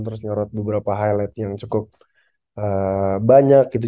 terus nyorot beberapa highlight yang cukup banyak gitu